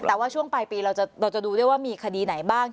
แต่ว่าช่วงปลายปีเราจะดูได้ว่ามีคดีไหนบ้าง